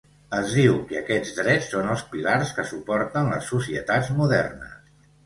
Es diu que aquests drets són els pilars que suporten les societats modernes.